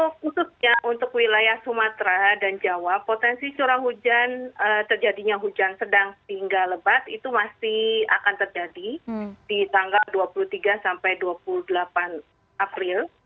khususnya untuk wilayah sumatera dan jawa potensi curah hujan terjadinya hujan sedang hingga lebat itu masih akan terjadi di tanggal dua puluh tiga sampai dua puluh delapan april